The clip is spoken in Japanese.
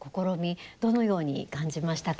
どのように感じましたか。